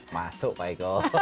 masuk pak eko